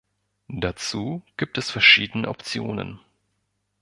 Dazu gibt es verschiedene Optionen.